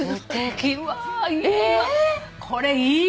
これいいわ！